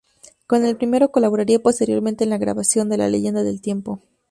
Con el primero colaboraría posteriormente en la grabación de La leyenda del tiempo.